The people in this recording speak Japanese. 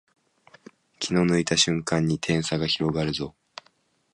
気を抜いた瞬間に点差が広がるぞ